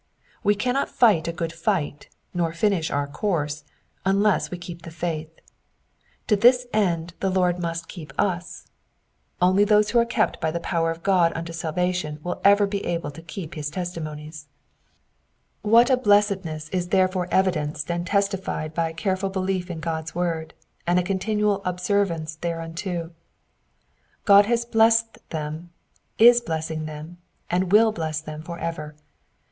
We c^innot fight a good fight, nor finish our course, unless we keep the faith. To this end the Lord must keep us : only Digitized by VjOOQIC PSALM ONE HUNDRED AND NINETEEN— VERSES 1 TO 8. 15 those who are kept by the power of God unto salvation will ever be able to keep his testimonies. What a blessedness is therefore evidenced and testified by a careful belief in God^s word, and a continual obedience thereunto. God has blessed them, is blessing them, and will bless them for ever.